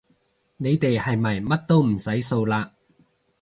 你哋係咪乜都唔使掃嘞